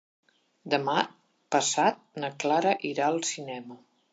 Demà passat na Clara irà al cinema.